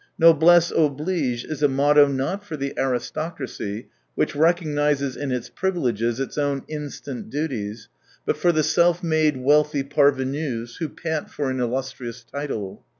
Noblesse oblige is a motto not for the aristocracy, which recognises in its privileges its own instant duties, but for the self made, wealthy farvenues who pant for an illustrious title.